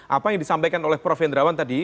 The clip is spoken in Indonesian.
apa yang disampaikan oleh prof hendrawan tadi